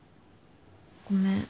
ごめん。